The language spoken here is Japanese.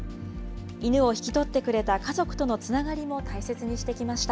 犬を引き取ってくれた家族とのつながりも大切にしてくれました。